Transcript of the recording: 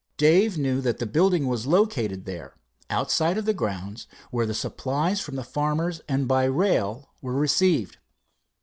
Dave knew that the building was located there, outside of the grounds, where the supplies from farmers and by rail were received.